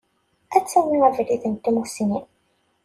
Ad tawi abrid n tmussni.